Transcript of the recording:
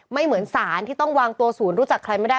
เหมือนสารที่ต้องวางตัวศูนย์รู้จักใครไม่ได้